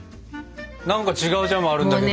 何か違うジャムあるんだけど。